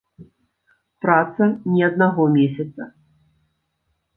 Праца не аднаго месяца.